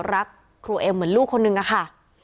รักครูเอ็มเหมือนลูกคนนึงอะค่ะ